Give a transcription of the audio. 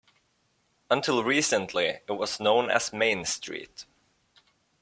Until recently it was known as Main Street.